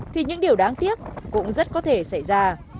thì những điều đáng tiếc cũng rất có thể xảy ra